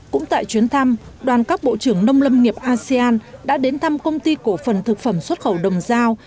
cũng tại chuyến thăm đoàn các bộ trưởng nông lâm nghiệp asean đã đến thăm công ty cổ phần thực phẩm xuất khẩu đồng giao